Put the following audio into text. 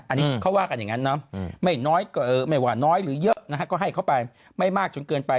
อันนี้เขาว่ากันอย่างนั้นนะไม่น้อยก็ไม่ว่าน้อยหรือเยอะนะฮะก็ให้เขาไปไม่มากจนเกินไป